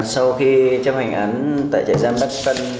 sau khi chấp hành án tại trại giam đắk tân